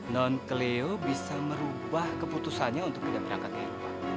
nontelio bisa merubah keputusannya untuk menangkap eropa